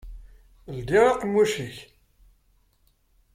Ldi aqemmuc-ik!